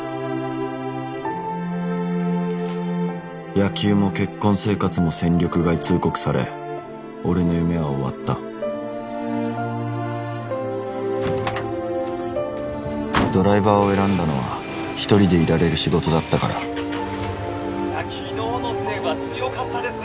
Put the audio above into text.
野球も結婚生活も戦力外通告され俺の夢は終わったドライバーを選んだのは一人でいられる仕事だったから昨日の西武は強かったですね